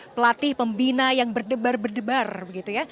pelatih pembina yang berdebar berdebar begitu ya